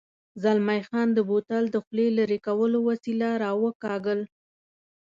زلمی خان د بوتل د خولې لرې کولو وسیله را وکاږل.